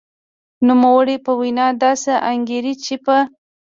نوموړې په وینا داسې انګېري چې په